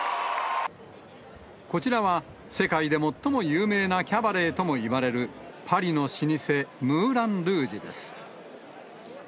こちらは、世界で最も有名なキャバレーとも言われる、パリの老舗、ムーランルージュです。